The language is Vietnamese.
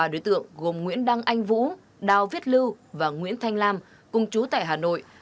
ba đối tượng gồm nguyễn đăng anh vũ đào viết lưu và nguyễn thanh lam công chú tại hà nội